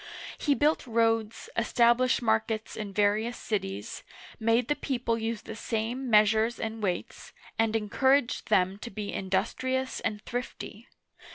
He built roads, established markets in various cities, made the people use the same measures and weights, and encouraged them to be industrious and thrifty.